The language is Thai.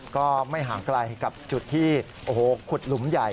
ก็ไม่ห่างไกลกับจุดที่ขุดหลุมใหญ่